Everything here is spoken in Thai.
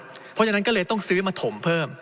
เพราะฉะนั้นก็เลยต้องซื้อมาถมเพิ่ม